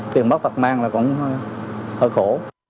tiền bắt thật mang là cũng hơi khổ